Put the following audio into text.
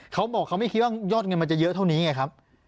เขาบอกเขาไม่คิดว่ายอดเงินมันจะเยอะเท่านี้ไงครับ